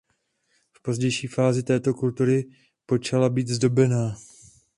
V pozdější fázi této kultury počala být zdobená.